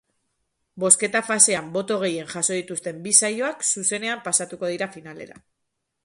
Bozketa-fasean boto gehien jaso dituzten bi saioak zuzenean pasatuko dira finalera.